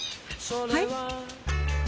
はい？